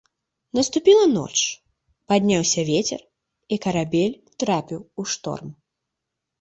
Наступіла ноч, падняўся вецер, і карабель трапіў у шторм.